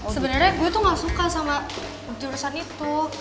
sebenarnya gue tuh gak suka sama jurusan itu